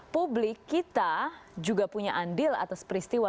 publik kita juga punya andil atas peristiwa